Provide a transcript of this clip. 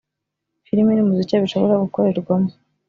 film n’umuziki bishobora gukorerwamo